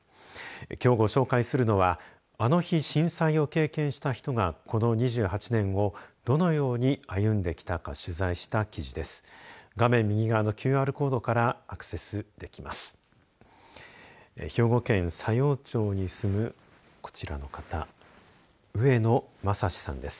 きょうご紹介するのはあの日、震災を経験した人がこの２８年をどのように歩んできたか取材した記事です。